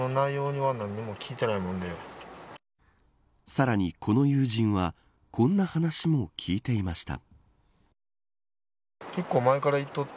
さらに、この友人はこんな話も聞いていました。